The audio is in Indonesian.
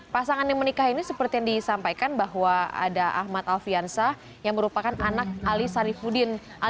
pasangan yang menikah ini seperti yang disampaikan bahwa ada ahmad alfiansah yang merupakan anak ali sarifuddin